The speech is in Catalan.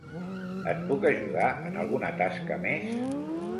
Et puc ajudar en alguna tasca més?